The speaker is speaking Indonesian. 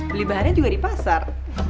beli bahannya juga di pasar